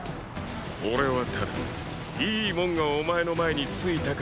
俺はただいいもんがお前の前に着いたから来ただけだ。